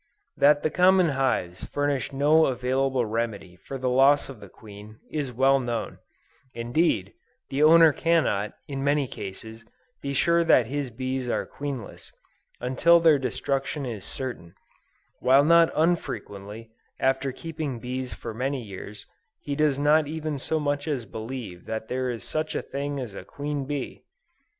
That the common hives furnish no available remedy for the loss of the queen, is well known: indeed, the owner cannot, in many cases, be sure that his bees are queenless, until their destruction is certain, while not unfrequently, after keeping bees for many years, he does not even so much as believe that there is such a thing as a queen bee!